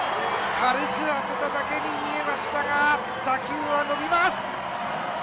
軽く当てただけに見えましたが打球は伸びます。